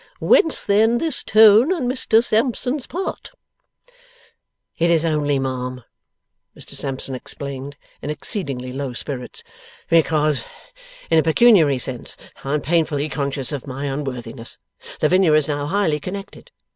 Whence, then, this tone on Mr Sampson's part?' 'It is only, ma'am,' Mr Sampson explained, in exceedingly low spirits, 'because, in a pecuniary sense, I am painfully conscious of my unworthiness. Lavinia is now highly connected.